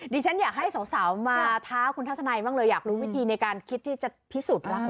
ดิฉันอยากให้สาวมาท้าคุณทาสนัยบ้างเลยอยากรู้วิธีในการจะคิดที่จะพิสูจน์รักของคุณต่อขึ้นไกลง